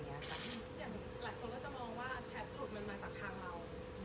อย่างหลายคนก็จะมองว่าแชทหลุดมันมาจากทางเรา